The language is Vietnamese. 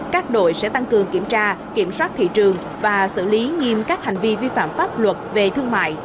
các đội sẽ tăng cường kiểm tra kiểm soát thị trường và xử lý nghiêm các hành vi vi phạm pháp luật về thương mại